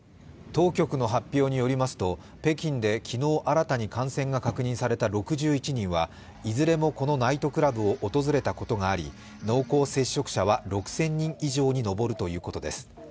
当局の発表によりますと北京で昨日新たに感染が確認された６１人はいずれもこのナイトクラブを訪れたことがあり濃厚接触者は６０００人以上に上るということです。